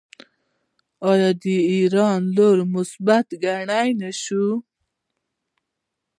آیا د ایران رول مثبت کیدی نشي؟